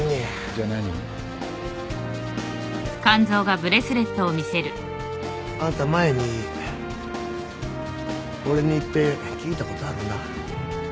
じゃ何？あんた前に俺に一ぺん聞いたことあるな？